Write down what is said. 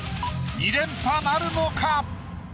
２連覇なるのか？